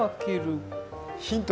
ヒント